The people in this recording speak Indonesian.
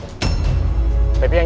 lepas su diam